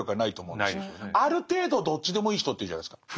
ある程度どっちでもいい人っているじゃないですか。